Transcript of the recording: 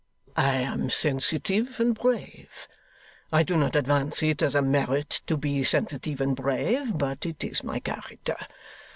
'I am sensitive and brave. I do not advance it as a merit to be sensitive and brave, but it is my character.